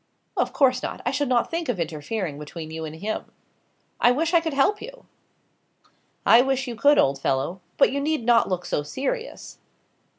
"Of course not. I should not think of interfering between you and him. I wish I could help you!" "I wish you could, old fellow. But you need not look so serious."